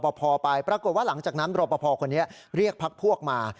พอไปปรากฏว่าหลังจากนั้นรอปภคนนี้เรียกพักพวกมา